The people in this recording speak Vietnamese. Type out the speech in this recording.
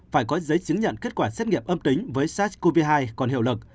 phải có giấy chứng nhận kết quả xét nghiệm âm tính với sars cov hai còn hiệu lực